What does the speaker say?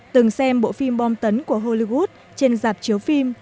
từng xem bộ phim bom tấn của hollywood trên giạp chiếu phim